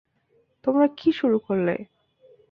তোমরা কী শুরু করলে?